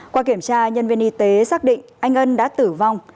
qua kiểm tra nhân viên y tế xác định anh ân đã tử vong